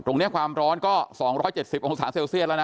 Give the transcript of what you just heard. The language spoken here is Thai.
ความร้อนก็๒๗๐องศาเซลเซียสแล้วนะ